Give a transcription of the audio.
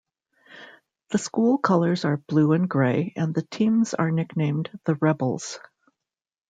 The school colors are blue and gray and the teams are nicknamed the "Rebels".